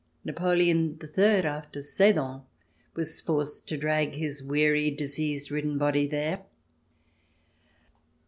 Napoleon III, after Sedan, was forced to drag his weary disease ridden body there.